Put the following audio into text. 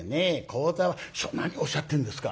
「師匠何をおっしゃってるんですか。